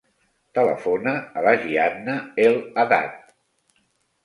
Telefona a la Gianna El Haddad.